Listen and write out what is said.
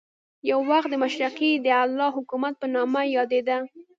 یو وخت د مشرقي د اعلی حکومت په نامه یادېده.